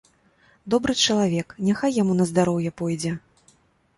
Добры чалавек, няхай яму на здароўе пойдзе.